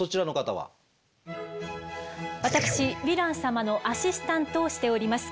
私ヴィラン様のアシスタントをしております